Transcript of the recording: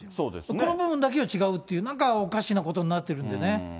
この部分だけが違うっていう、なんかおかしなことになってるんでね。